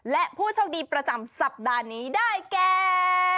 และผู้โชคดีประจำสัปดาห์นี้ได้แก่